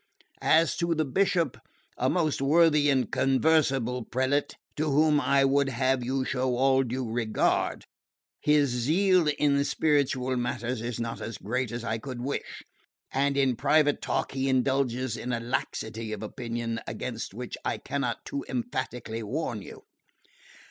As to the Bishop, a most worthy and conversable prelate, to whom I would have you show all due regard, his zeal in spiritual matters is not as great as I could wish, and in private talk he indulges in a laxity of opinion against which I cannot too emphatically warn you.